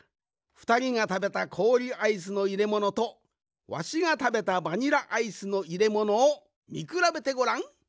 ふたりがたべたこおりアイスのいれものとわしがたべたバニラアイスのいれものをみくらべてごらん。